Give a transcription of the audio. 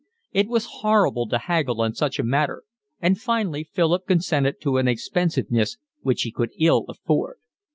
It was horrible to haggle on such a matter, and finally Philip consented to an expensiveness which he could ill afford.